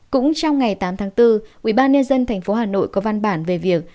cũng trong ngày tám tháng bốn ubnd tp hà nội có văn bản về việc